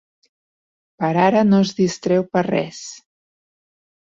Per ara no es distreu per res.